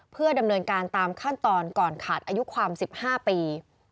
เพื่อดำเนินการตามขั้นตอนก่อนขาดอายุความ๑๕ปี